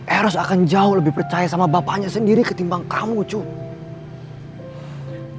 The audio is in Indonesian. eros akan jauh lebih percaya sama bapaknya sendiri ketimbang kamu cuma